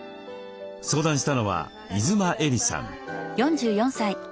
相談したのは出馬衣里さん。